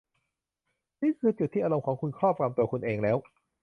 นั่นคือจุดที่อารมณ์ของคุณครอบงำตัวคุณเองแล้ว